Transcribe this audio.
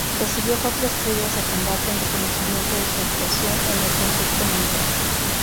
Recibió cuatro estrellas de combate en reconocimiento de su actuación en el conflicto mundial.